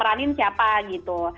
meranin siapa gitu